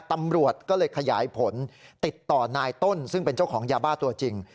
ตำรวจก็เลยขยายผลติดต่อนายต้นซึ่งเป็นเจ้าของยาบ้าตัวจริง